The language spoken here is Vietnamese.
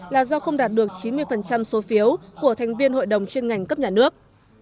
là do không đạt được chín mươi số phiếu của thành viên hội đồng chuyên ngành cấp nhà nước